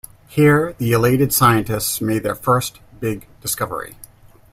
Here the elated scientists made their first big discovery.